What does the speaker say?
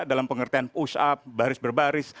dalam pengertian push up baris berbaris